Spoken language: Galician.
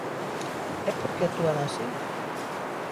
¿E por que actúan así?